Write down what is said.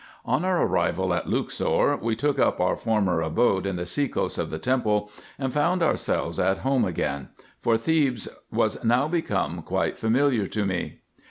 On our arrival at Luxor we took up our former abode in the sekos of the temple, and found ourselves at home again ; for Thebes was now become quite familiar to me.